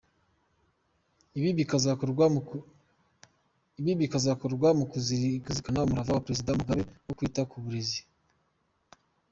Ibi bikazakorwa mu kuzirikana umurava wa Perezida Mugabe wo kwita ku burezi.